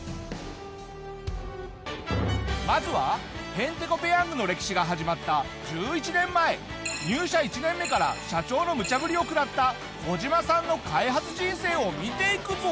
まずはヘンテコペヤングの歴史が始まった１１年前入社１年目から社長の無茶振りを食らったコジマさんの開発人生を見ていくぞ！